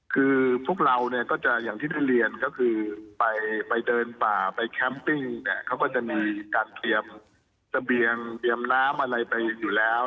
คือพวกเราเนี่ยก็จะอย่างที่ได้เรียนก็คือไปเดินป่าไปแคมปิ้งเนี่ยเขาก็จะมีการเตรียมเสบียงเตรียมน้ำอะไรไปอยู่แล้ว